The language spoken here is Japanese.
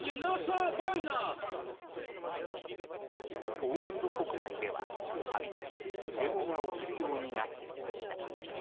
ポーランド国内では度々デモが起きるようになってきました。